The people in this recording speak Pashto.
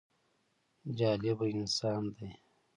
جالبه انسان دی.